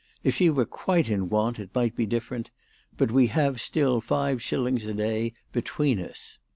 If she were quite in want it might be different, but we have still five shillings a day between us.